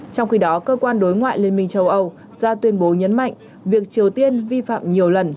trong khi đó cơ quan đối ngoại liên minh châu âu ra tuyên bố nhấn mạnh việc triều tiên vi phạm nhiều lần